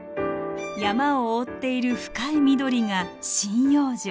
山を覆っている深い緑が針葉樹。